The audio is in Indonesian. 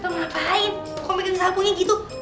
kok megang salkunya gitu